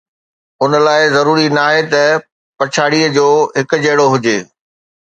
ان لاءِ ضروري ناهي ته پڇاڙيءَ جو هڪجهڙو هجي